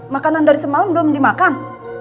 makanan dari semalam belum dimakan